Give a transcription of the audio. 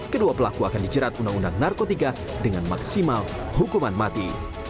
kedua pelaku akan dijerat undang undang narkotika dengan maksimal hukuman mati